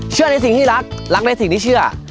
ในสิ่งที่รักรักในสิ่งที่เชื่อ